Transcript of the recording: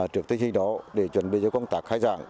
trước tình hình đó để chuẩn bị cho công tác khai giảng